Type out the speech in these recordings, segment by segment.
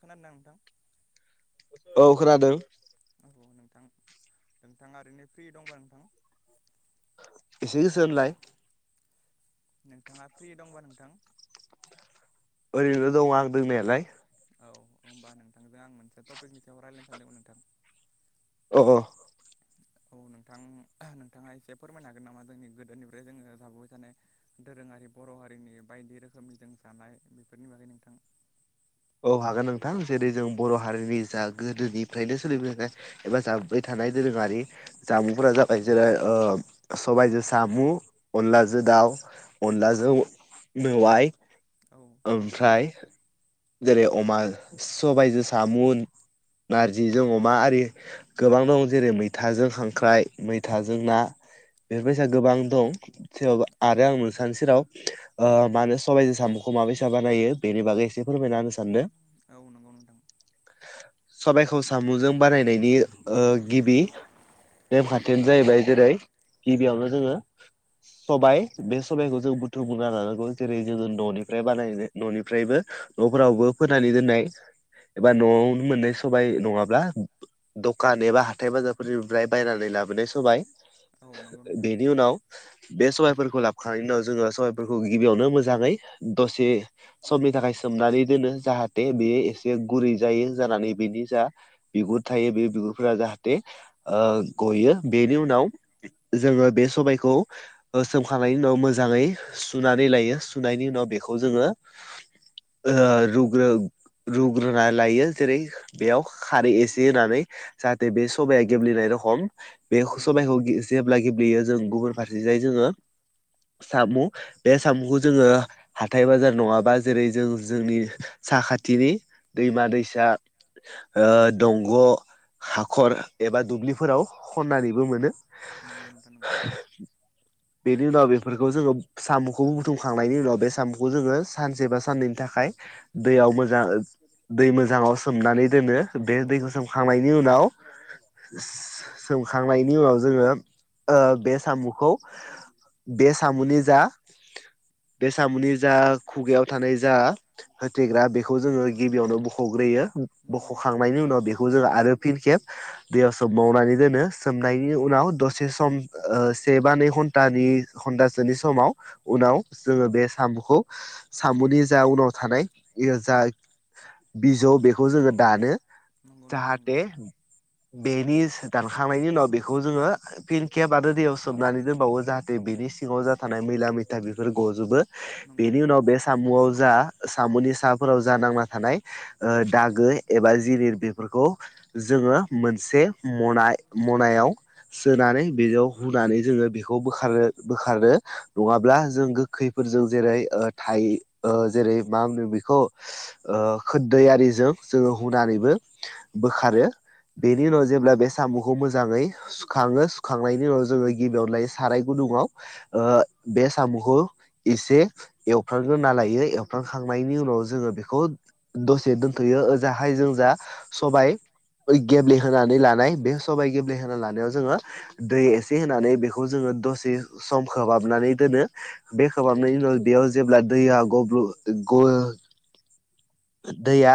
खोनादोंना नोंथां? औ खोनादों। नोंथां नोंथाङा ओरैनो फ्रि दंबा नोंथां? एसे गोसा होनलाय नोंथाङा फ्रि दंबा नोंथां? ओरैनो दं आं दोंनायालाय। औ होनबा नोंथांजों आं मोनसे टपिकनि सायाव रायज्लायनो सानदोंमोन नोंथां। अ अ। औ नोंथां नोंथाङा एसे फोरमायनो हागोन नामा जोंनि गोदोनिफ्राय जोङो जाबोबाय थानायानाय दोरोङारि बर' हारिनि बायदि रोखोमनि जों जानाय बेफोरनि बागै नोंथां। अ हागोन नोंथां जेरै जों बर' हारिनि जा गोदोनिफ्रायनो सोलिबोनाय एबा जाबोबाय थानाय दोरोङारि जामुंफोरा जाबाय जेरै ओ सबाइजों सामु अनलाजो दाउ अनलाजो मेवाइ औ नंगौ ओमफ्राय नोंथां। जेरै अमा सबाइजो सामु नारजिजों अमा आरि गोबां दं जेरै मैथाजों खांख्राइ, मैथाजों ना। औ बेफोर बायसा गोबां दं थेवबाबो औ आरो आं नोसानि सेराव ओ मानो सबाइजों सामुखौ मा बैसा बानायो बेनि बागै एसे फोरमायना होनो सानदो। औ नंगौ नोंथां सबाइखौ सामुजों बानायनायनि ओ गिबि नेम खानथियानो जाहैबाय जेरै गिबियावनो जोङो। सबाय बे सबाइखौ जों बुथुमग्रोना लानांगौ जेरै जोङो न'निफ्राय बानायनो न'निफ्रायबो न'फोरावबो फोननानै दोननाय। एबा न'आवनो मोननाय सबाय नङाब्ला दखान एबा हाथाय बाजारफोरनिफ्राय बायनानै। लाबोनाय साबाय औ नंगौ नोंथां बेनि उनाव। बे सबाइफोरखौ लाबखांनायनि उनाव जोङो सबाइफोरखौ गिबियावनो मोजाङै दसे समनि थाखाय। सोमनानै दोनो जाहाथे बेयो एसे गुरै जायो जानानै बेनि जा बिगुर थायो बे बिगुर गुरफोरा जाहाथे गयो बेनि उनाव जोङो बे सबायखौ। सोमखांनायनि उनाव मोजाङै सुनानै लायो सुनायनि उनाव बेखौ जोङो। [inaudible] रुग्रो। रुग्रोना लायो जेरै बेयाव खारै एसे होनानै जाहाथे बे सबाया गेब्लेनाय रखम। बे नंगौ नंगौ सबायखौ जेब्ला गेब्लेयो जों गुबुन फारसे जाय जोङो। साम' बे साम'खौ जोङो हाथाय बाजार नङाबा जेरै जों जोंनि साखाथिनि दैमा-दैसा दंग' हाखर एबा दुब्लिफोराव खन्नानैबो मोनो नंगौ नोंथां नंगौ। बेनि उनाव बेफोरखौ जोङो साम'खौबो बुथुमखांनायनि उनाव बे साम'खौ जोङो सानसे बा साननैनि। थाखाय दैयाव मोजां। दै मोजाङाव सोमनानै दोनो बे दैखौ सोमखांनायनि उनाव। सोमखांनायनि उनाव जोङो बे साम'खौ बे सामुनि जा बे साम'नि जा खुगायाव थानाय जा होथेग्रा बेखौ जोङो गिबियावनो बख'ग्रोयो नंगौ नोंथां नंगौ बख'खांनायनि उनाव बेखौ जोङो आरो। फिन खेब दैयाव सोमबावनानै दोनो सोमनायनि उनाव दसे सम से बा नै घन्टानि घटासोनि समाव उनाव जोङो बे साम'खौ साम'नि जा उनाव थानाय जा बिजौ बेखौ जोङो दानो। जाहाथे बेनि दानखांनायनि उनाव बेखौ जोङो पिन खेब आरो दैयाव सोमनानै दोनबावो जाहाथे। बिनि सिङाव जा थानाय मैला मैथा बेफोर गजोबो नंगौ बेनि नोंथां उनाव नंगौ बे सामुआव जा साम'नि साफोराव जा नांना थानाय ओ दागो एबा जिनिर बेफोरखौ जों मोनसे मनायाव सोनानै बेयाव हुनानै जोङो बेखौ बोखां बोखारो बोखारो नङाब्ला जों गोखैफोरजों जेरै थाइ जेरै मा होनो बेखौ खोदैआरिजों जोङो हुनानैबो बोखारो। नंगौ बेनि उनाव नोंथां नंगौ जेब्ला बे साम'खौ मोजाङै। सुखाङो सुखांनायनि उनाव जोङो गिबियावनो लायो साराय गुदुंआव बे साम'खौ। एसे एवफ्रामग्रोना लायो। खांनायनि उनाव जोङो बेखौ दसे दोनथ'यो ओजाहाय जों जा सबाय गेब्लेहोनानै लानाय बे सबाय गेब्लेहोना लानायाव जोङो दै एसे होनानै बेखौ जोङो। दसे सम खोबहाबनानै दोनो बे खोबाबनायनि उनाव बेयाव जेब्ला दैया गब्र दैया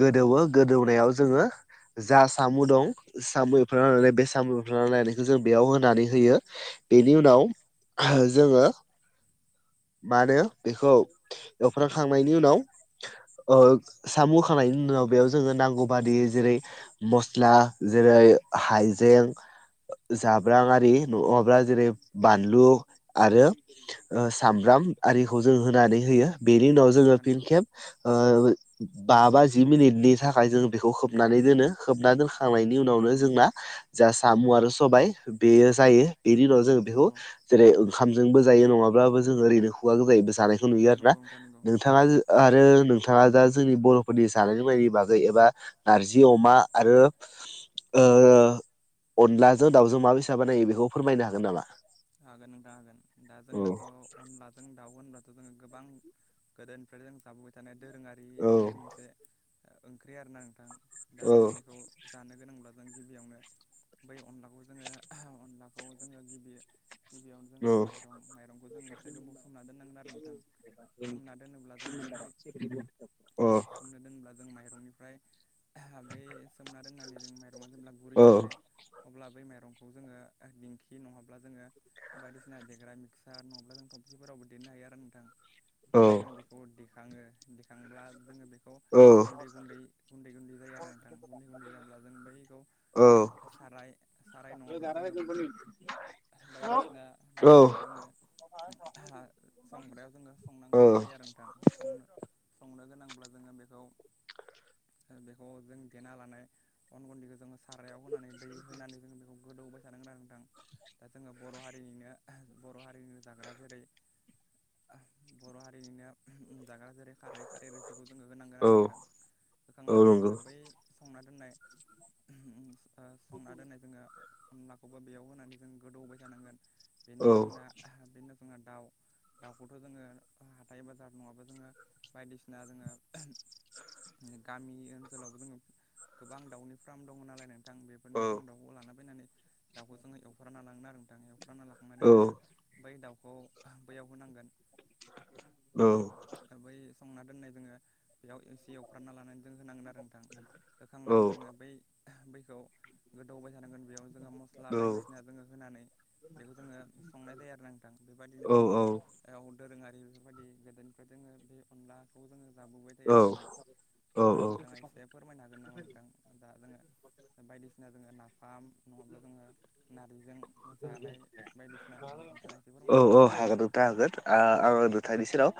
गोदौवो गोदौनायाव जोङो। जा साम' दं साम' एफ्रामना लानाय बे साम' एवफ्रामना लायनायखौ जों बेयाव होनानै होयो। बेनि उनाव जोङो मा होनो बेखौ। एवफ्रांखांनायनि उनाव साम' होखांनायनि उनाव बेयाव जोङो नांगौ बादि जेरै मस्ला जेरै हाइजें जाब्रांआरि नङाब्ला जेरै बानलु आरो सामब्राम आरिखौ जों होनानै होयो बेनि उनाव नंगौ नोंथां नंगौ जोङो नोंथां फिन नंगौ खेब बा बाजि मिनिटनि थाखाय जों बेखौ खोबनानै दोनो खोबना दोनखांनायनि उनावनो जोंना। जा साम' आरो सबाय बेयो जायो बेनि उनाव जों बेखौ नंगौ जेरै ओंखामजोंबो जायो नङाब्लाबो जों ओरैनो खुवा गोजायैबो जानायखौ नुयो आरोना। नंगौ नोंथां नंगौ नोंथाङा आरो नोंथाङा दा जोंनि बर'फोरनि जानाय लोंनायनि बागै एबा नारजि अमा आरो। ओ अनलाजों दाउजों माबैसा बानायो बेखौ फोरमायनो हागोन नामा? हागोन नोंथां हागोन दा औ जोंनाथ' अनला जों दाउ होनबा। जोङो [unintelligible] गोबां गोदोनिफ्रायनो जों जाबोबाय थानाय दोरोङारि औ बे मोनसे। ओंख्रि आरो ना नोंथां दा औ जोङो बेखौ जानो गोनांब्ला जों गिबियावनो बै अनलाखौ जोङो अनलाखौ जोङो गिबियै। गिबियावनो जोङो औ माइरं माइरंखौ जों एसे गोबाव सोमना दोननांगोन आरो नोंथां सोमना दोनोब्ला जोङो। बै अ सोमनो दोनोब्ला जों माइरंनिफ्राय बे सोमना दोननानै जों माइरङा जेब्ला गुरै औ जायो। अब्ला बै माइरंखौ जोङो दिंखि नङाब्ला जोङो बायदिसिना देग्रा मिक्सार नङाब्ला जों थबसिफोरावबो देरनो हायो आरो नोंथां। औ जेब्ला जों बेखौ देखाङो देखांब्ला जोङो बे खौ औ गुदै गुदै गुदै गुदै। जायो आरो नोंथां गुन्दै गुन्दै जाब्ला जों बैखौ साराय साराय नङाब्ला जोङो। बायदिसिना औ बायदिसिना जोङो। संग्रायाव जोङो संनांगौ जायो औ आरो नोंथां सं सं नो गोनांब्ला जों बेखौ देनालानाय अन गुदैखो जोङो। सारायाव होनानै दै होनानै जोङो बेखौ गोदौबाय थानांगोन आरो नोंथां। दा जोङो बर' हारिनिनो बर' हारिनिनो जाग्रा जेरै बर' हारिनिनो जाग्रा जेरै खारै खारै रोसिखौ होनांगोन औ आरो नोंथां औ बोखांनानै नंगौ जोङो बै संना दोननाय संना दोननाय जोङो अनलाखौबो बेयाव होनानै। जों गोदौ होबाय थानांगोन बेनि औ उनाव जोंना बेनि जोंना दाउ दाउखौथ' जोङो हाथाय बाजार नङाबो जोङो बायदिसिना जोङो। गामि ओनसोलावबो जोङो गोबां दाउनि फ्रार्म दङ नालाय नों थां औ बेफोरनिनो जों दाउखौ लानानानै फैनानै दाउखौ जोङो एवफ्रामना लागोन आरो नोंथां। एवफ्राना लाखांनानै औ जोङो बै दाउखौ बैयाव होनांगोन। औ। बै संना दोननाय जोङो बेयाव एसे एवफ्रामना लानानै। जों होनांगोन होखांनानै जोङो बै बैखौ गोदौबाय होनांगोन बेयाव जोङो मस्ला बायदिसिना जोङो होनानै बेखौ जोङो संनाय जायो आरो नोंथां बेबायदिनो जोंनि। दोरोङारि बेफोरबायदि गोदोनिफ्राय जोङो बे अनलाखौ जोङो जाबोबाय थायो आरो नोंथां। औ दा नोंथाङा एसे फोरमायनो हागोन नामा नोंथां दा जोङो बायदिसिना जोङो ना फाम नङाब्ला जोङो नारजिजों जानाय बायदिसिनाखौ नोंथाङा एसे फोरमायनो हागोन नामा? औ हागोन नोंथां ओ [unintelligible] नोंथांनि सेराव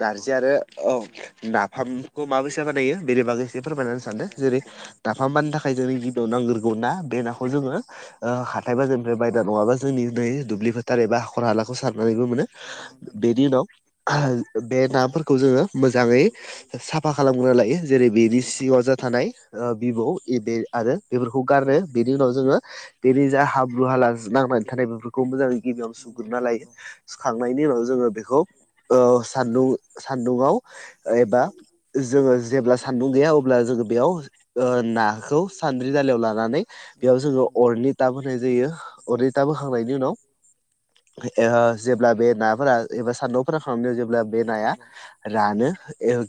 नारजि आरो औ नाफामखौ माबैसा बानायो बेनि बागै एसे फोरमायना होनो सानदो जेरै नाफाम बानानो‌ थाखाय जोंनि गिबियाव नांग्रोगौना बे ना खौ जोङो हाथाय बाजारनिफ्राय बायना नङाबा जोंनि बै दुब्लि फोथार एबा हाखर हालाखौ सारनानैबो मोनो। नंगौ नोंथां नंगौ बेनि उनाव बे नाफोरखौ जोङो मोजाङै साफा खालामग्रोना लायो। जेरै नंगौ बेनि नोंथां सिङाव नंगौ जा थानाय ओ बिबौ' एद आरो बेफोरखौ गारनो बे नि उनाव जोङो बेरनि जा हाब्रु हाला नांनानै थानाय बेफोरखौ मोजाङै। गिबियावनो नंगौ सुग्रोनना नोंथां लायो नंगौ सुखांनायनि उनाव जोङो। बेखौ ओ सान्दुं सान्दुङाव एबा जोङो। जेब्ला सान्दुं नंगौ गैया नोंथां अब्ला नंगौ जोङो बेयाव ओ नाखौ सान्द्रि दालियाव लानानै। नंगौ बेयाव नोंथां जोङो नंगौ अरनि टाब होनाय जायो अरनि टाब नंगौ नोंथां होखांनायनि नंगौ उनाव। ओ जेब्ला बे नाफोरा एबा सान्दुंङाव फोरानखांनानै जे बे नाया नंगौ रानो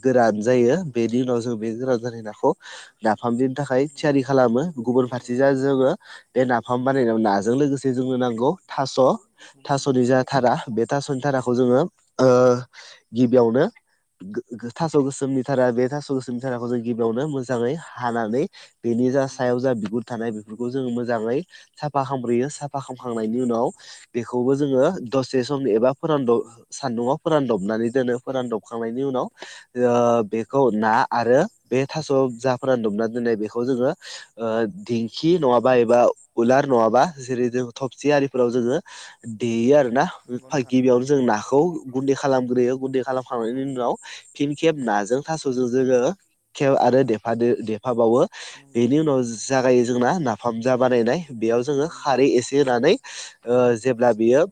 गोरान जायो बेनि उनाव जों बे गोरान। नाखौ नाफाम देनो थाखाय नंगौ थियारि नोंथां नंगौ खालामो गुबुन फार नंगौ नोंथां जोंङो बे नाफाम बानायनायाव नाजों लोगोसे जोंनो नांगौ थास' थास'नि नंगौ जा धारा बे थास'नि नंगौ धाराखौ जोंङो गिबियावनो। थास' गोसोमनि थारा बे थास' गोसोमनि थाराखौ जों गिबियावनो मोजांङै हानानै। बेनि जा नोंथां नंगौ सायाव जा बिगुर थानाय बेफोरखौ जोंङो मोजांङै साफा खामब्रयो साफा खालामखांनायनि नोंथां नंगौ नंगौ उनाव बेखौ खौबो जोंङो दसे समनि एबा फोरानदब सान्दुंङाव फोरानदबनानै दोनो फोरानदबखांनायनि उनाव। बेखौ ना आरो बे थास' जाफोरा दुमना दोननाय बेखौ जोंङो ओ दिेंखि नंङाबा एबा उलार नङाबा जेरै जों थबसि आरिफोराव जोंङो देयो आरो ना नोंथां नंगौ गिबियावनो जों नाखौ गुन्दै खालामग्रोयो गुन्दै खालामखांनायनि नंगौ उनाव फिन खेब नाजों थास'जों जोंङो खेब आरो देफ देफाबावो बेनि नोंथां उनाव। नंगौ जागायो जोंना नाफाम जा बानायनाय बेयाव जोंङो नंगौ नोंथां खारै नंगौ एसे होनानै जेब्ला बियो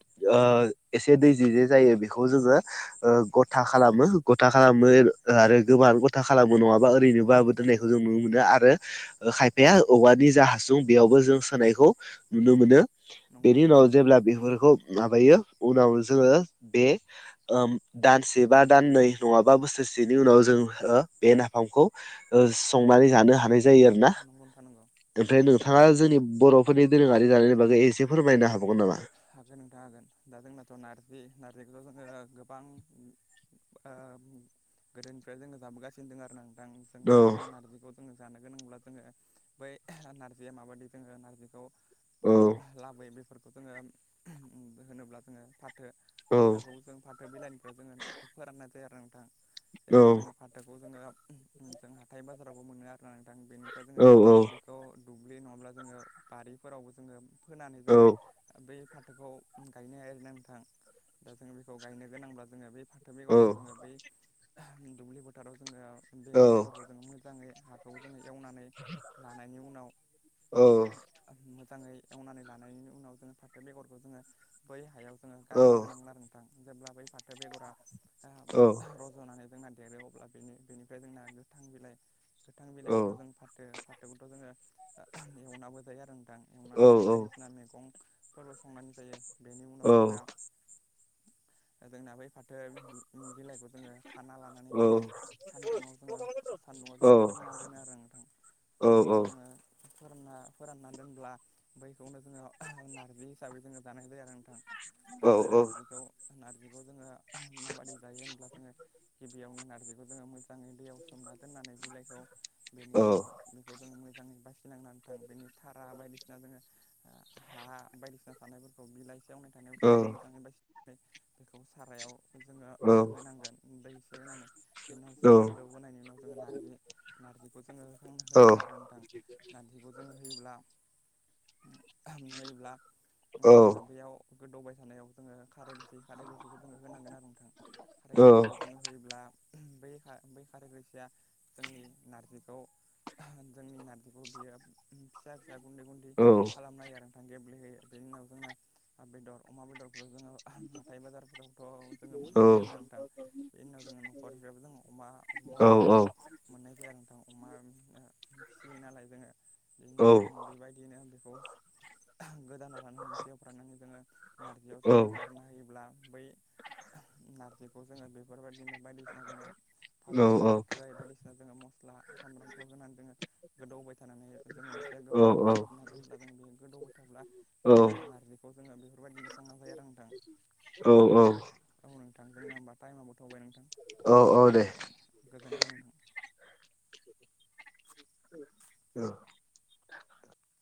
एसे दै जे जे जायो बेखौ जोंङो गथा खालाम गथा खालामो आरो गोबां गथा खालामो नंङा। नंगौ नंगौ आरैनोबाबो नोंथां नंगौ नुनो मोनो। बे औवानि जा हासुं बेयावबो जों सोनायखौ। नुनो नंगौ नोंथां नंगौ नोंथां नंगौ मोनो नंगौ बेनि नोंथां उनाव नंगौ जेब्ला बेफोरखौ। माबायो उनाव जोंङो बे दानसे बा दाननै नंङाबा बोसोरसे सेनि उनाव जों बे नाफामखौ संनानै जानो हानाय जायो आरो। ना नंगौ नोंथां नंगौ ओमफ्राय नोंथांङा जोंनि बर'फोरनि दोरोंङारि जानायनि बागै एसे फोरमायनो हाबावगोन नामा? हागोन नोंथां हागोन दा जोंनाथ' नार्जि न बे जोंङो गोबां गोदोनिफ्राय जोंङो जाबोगासिनो दं आरो नोंथां जों औ दाों नारजिखौ जों। जानो गोनांब्ला जोंङो बै नारजिया माबायदि जोंङो नारजिखौ। औ लाबोयो बेफोरखौ जोंङो होनोब्ला जोंङो। फाथो औ फाथोखौ जों फाथो बिलाइनिफ्रायाव जोंङो फोराननाय जायो आरो नोंथां। जेनेबा जोंङो फाथोखौ जोङो जों हाथाय बाजारावबो मोनो आरो न बेनिफ्राय जोंङो औ बेखौ दुब्लि नङाब्ला जोंङो बारिफोरावबो जोंङो। होनानै औ जोंङो। बै फाथोखौ गायनो हाया नांथां दा जोंङो बेखौ गायनो गोनांब्ला जोंङो बै। फाथो औ बेगरखौ जोंङो बै दुब्लि फोथाराव जोंङो औ बेनि बेगरखौ जोंङो मोजाङै। हाखौ जोंङो एवनानै लानायनि उनाव औ। मोजांङै एवनानै लानायनि उनाव जोंङो फाथो बेगरखौ जोंङो बै हायाव जोंङो गारना होनांगोन आरो नोंथां। जेब्ला बै फाथो बेगरा औ रज'नानै जोंना देरो अब्ला बेनि बेनिफ्राय जोंना गोथां बिलाइ गोथां बिलाइखौथ' जों फाथो फाथोखौथ' जोंङो। एवनाबो जायो आरो नोंथां एवनानै आरो बायदिसिना मैगंफोरबो संनानै जायो। बेनि उनाव जोंना जोंना बै। फाथो बिलाइखौ जोंङो खाना लानानै बेखौ सानदुङाव जोंङो सान्दुङाव जोंङो फोर ना दोनो आरो नोंथां। औ औ। सान्दुङाव जोङो फोरानना फोरानना दोनब्ला बैखौनो जोंङो नारजि हिसाबै जोंङो जानाय जायो आरो। जोंङो औ नारजिखौ नार्जिखौ जोंङो माबायदि जायो होनब्ला जोंङो। गिबियावनो नारजिखौ जों। मोजांङै दैयाव सोमना दोननानै बिलाइखौ बेनि उनाव बेखौ जो मोजां। मोजांङै बासिनांनानै थां बेनि थारा बायदिसिना जोंङो हा फिसिना थानायफोरखौ बिलाइसेवनाय थानायफोरखौ जों मोजांङै बायसि बेखौ सारायाव। जोङो औ होनांगोनै एसे होनांगोन। बेनि उनावसे औ गोदौबोनायनि उनाव जोंङो नारजि नारजिखौ जोंङो होखां औ होनांगोन आरो नोंथां। नारजिखौ जोंङो होयोब्ला। हायोब्ला जोङो बेयाव बे गोदौबाय थानायाव जोङो खारै रोसि खारै रोसिखौ जोङो होनांगोन आरो। खारै रोसिखौ जों होयोब्ला। बै बै खारै रोसिया जोंनि नारजिखौ। जोंनि नारजिखौ बियो फिसा फिसा गुन्दै गुन्दै खालामयो आरो नोंथां गेब्लेहोयो बेनि उनाव जोंना बेदर अमा बेदर। बेफोराव जोङो। हाथाय बाजारफोरावथ' जोङो मोनखायाना नोंथां बेनि उनाव जोङो न'खरनिफ्रायबो जोङो अमा। औ बेदर औ। मोननाय जाया नोंथां अमा फिसियो नालाय जोङो बिनि उनाव जोङो बेबायदिनो। गोदान एवफ्रामनांगोन जोङो नारजियाव जोङो गारना होयोब्ला। खौ जोङो बेफोरबायदिनो बायदिसिना जोङो फानलौ संख्रि बायदिसिना जोङो मस्ला सामब्रामखौ होनानै जोङो गोदौहोबाय थानानै जोङो। बे गोबाव खोबना दोनब्ला जों बे गोदौबाय थाब्ला। जोंना नारजिखौ जोङो बेफोरबायदिनो संना जायो आरो नोंथां। औ नोंथां जोंना होमबा टाइमाबो थौबाय नोंथां औ औ दे गोजोन्थों नोंथां। औ।